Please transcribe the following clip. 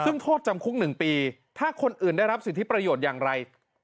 ซึ่งโทษจำคุก๑ปีถ้าคนอื่นได้รับสิทธิประโยชน์อย่างไร